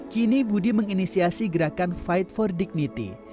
kini budi menginisiasi gerakan fight for dignity